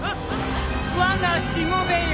わがしもべよ。